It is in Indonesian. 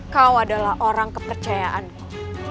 kau adalah orang kepercayaanmu